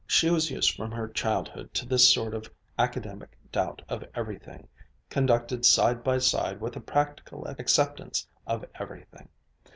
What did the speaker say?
She was used from her childhood to this sort of academic doubt of everything, conducted side by side with a practical acceptance of everything.